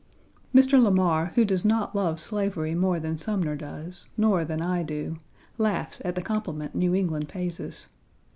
Mr. Lamar, who does not love slavery more than Sumner does, nor than I do, laughs at the compliment New England pays us.